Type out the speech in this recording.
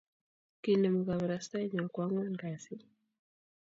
Kinemu kabarastaenyo koangwan kasi